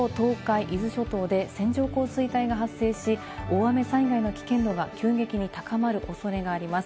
北陸、東海、伊豆諸島で線状降水帯が発生し、大雨災害の危険度が急激に高まる恐れがあります。